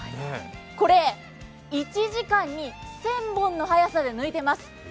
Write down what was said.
これ、１時間に１０００本の速さで抜いてます。